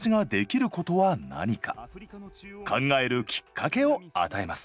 考えるきっかけを与えます。